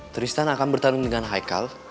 tristan akan bertanding dengan haikal